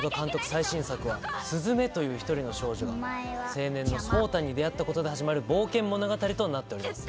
最新作は鈴芽という１人の少女が青年の草太に出会ったことで始まる冒険物語となっております。